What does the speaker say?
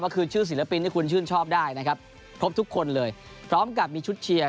ก็คือชื่อศิลปินที่คุณชื่นชอบได้นะครับครบทุกคนเลยพร้อมกับมีชุดเชียร์